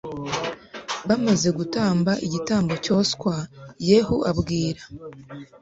Bamaze gutamba igitambo cyoswa Yehu abwira